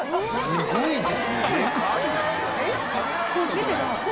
すごいですね